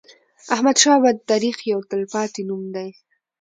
احمدشاه بابا د تاریخ یو تل پاتی نوم دی.